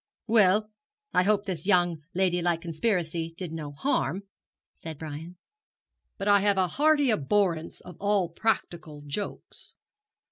'Well, I hope this young lady like conspiracy did no harm,' said Brian; 'but I have a hearty abhorrence of all practical jokes.'